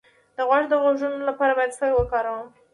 د غوږ د غږونو لپاره باید څه شی وکاروم؟